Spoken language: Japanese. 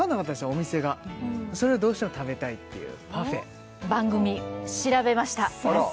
お店がそれをどうしても食べたいっていうパフェ番組調べました